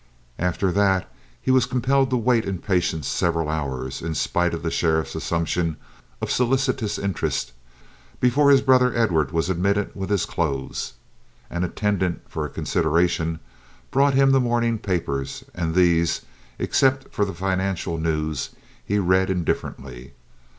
After that he was compelled to wait in patience several hours, in spite of the sheriff's assumption of solicitous interest, before his brother Edward was admitted with his clothes. An attendant, for a consideration, brought him the morning papers, and these, except for the financial news, he read indifferently.